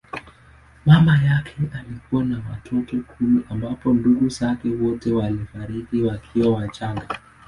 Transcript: Mama yake alikuwa na watoto kumi ambapo ndugu zake wote walifariki wakiwa wachanga.